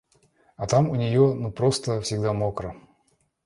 А там у нее, ну, просто всегда мокро.